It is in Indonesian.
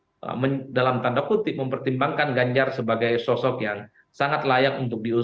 tentu ini dengan harapan partainya pdip bisa dalam tanda putih mempertimbangkan ganjar sebagai sosok yang sangat layak untuk diusung dua ribu dua puluh empat